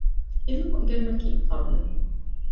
ޢިލްމު އުނގެނުމަކީ ފަރުޟެއް